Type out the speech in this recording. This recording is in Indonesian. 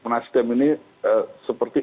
nasdem ini seperti